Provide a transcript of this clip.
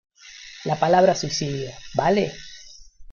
la palabra suicidio, ¿ vale?